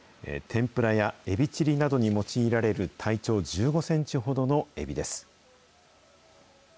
天ぷらやエビチリなどに用いられる、体長１５センチほどのエビです。